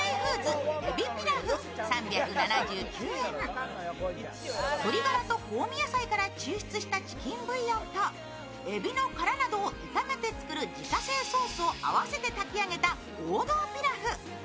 ニトリ鶏ガラと香味野菜から抽出したチキンブイヨンとえびの殻などを炒めて作る自家製ソースを合わせて炊き上げた王道ピラフ。